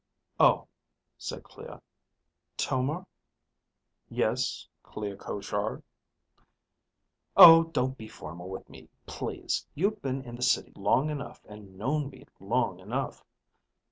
"Oh," said Clea. "Tomar?" "Yes, Clea Koshar?" "Oh, don't be formal with me, please. You've been in the City long enough and known me long enough.